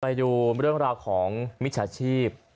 ไปดูเรื่องราวของมิจฉาชีพ